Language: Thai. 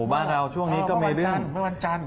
บ้านเราช่วงนี้ก็มีเรื่องจันทร์